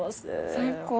最高！